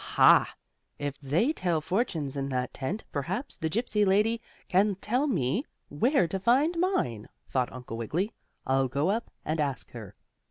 "Ha! If they tell fortunes in that tent, perhaps the Gypsy lady can tell me where to find mine," thought Uncle Wiggily. "I'll go up and ask her."